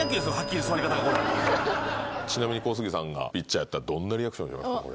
ちなみに小杉さんがピッチャーやったらどんなリアクションしますか？